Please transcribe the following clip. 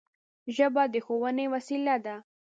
ژبه د ښوونې وسیله ده